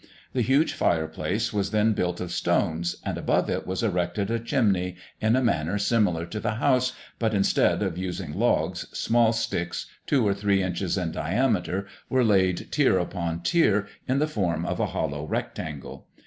The huge fire place was then built of stones, and above it was erected a chimney in a manner similar to the house, but instead of using logs, small sticks, two or three inches in diameter, were laid tier upon tier in the form of a hollow rectangle.